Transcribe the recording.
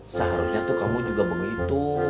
seharusnya tuh kamu juga begitu